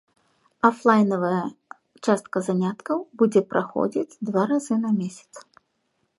Афлайнавая частка заняткаў будзе праходзіць два разы на месяц.